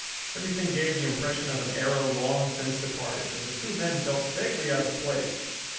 Everything gave the impression of an era long since departed, and the two men felt vaguely out of place.